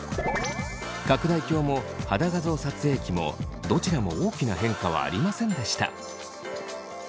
拡大鏡も肌画像撮影機もどちらも大きな変化はありませんでした。